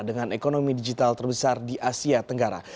dengan ekonomi digital terbesar di asia tenggara